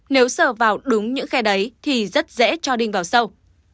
nếu sờ vào đúng những khe đấy thì rất dễ cho đi vào sâu